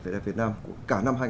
là cái bức ảnh